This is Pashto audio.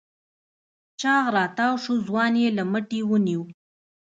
چاغ راتاوشو ځوان يې له مټې ونيو.